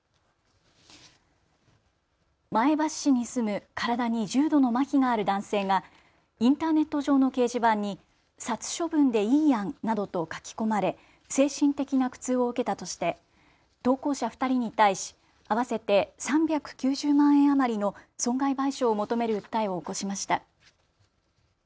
前橋市に住む体に重度のまひがある男性がインターネット上の掲示板に殺処分でいいやんなどと書き込まれ精神的な苦痛を受けたとして投稿者２人に対し合わせて３９０万円余りの損害賠償を求める訴えを起こしました。